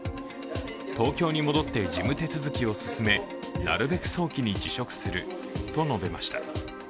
東京に戻って、事務手続きを進めなるべく早期に辞職すると述べました。